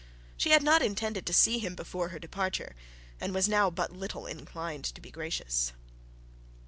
She had not intended to see him before her departure, and was now but little inclined to be gracious.